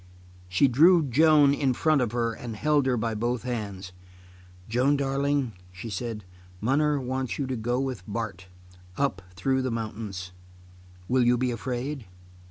She drew Joan in front of her and held her by both hands. "Joan, darling," she said, "munner wants you to go with Bart up through the mountains. Will you be afraid?"